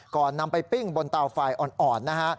ก่อนนำไปปิ้งบนเตาไฟอ่อนนะฮะ